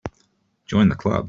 Join the Club.